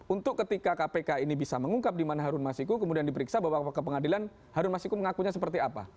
untuk ketika kpk ini bisa mengungkap di mana harun masiku kemudian diperiksa bapak ke pengadilan harun masiku mengakunya seperti apa